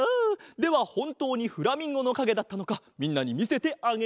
ではほんとうにフラミンゴのかげだったのかみんなにみせてあげよう。